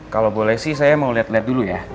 kalo boleh sih saya mau liat liat dulu ya